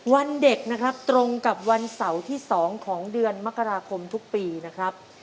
วันเด็กนะครับตรงกับวันเสาร์ที่๒ของเดือนมกราคมทุกปีนะครับ